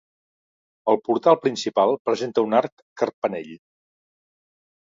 El portal principal presenta un arc carpanell.